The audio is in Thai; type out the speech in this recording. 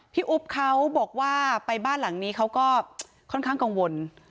อุ๊บเขาบอกว่าไปบ้านหลังนี้เขาก็ค่อนข้างกังวล